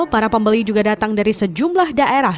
para pembeli juga datang dari sejumlah daerah